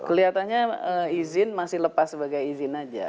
kelihatannya izin masih lepas sebagai izin aja